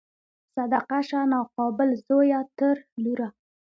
صدقه شه ناقابل زویه تر لوره